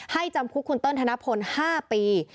จำคุกคุณเติ้ลธนพล๕ปี